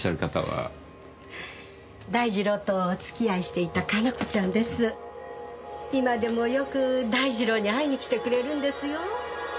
今でもよく大二郎に会いに来てくれるんですよ。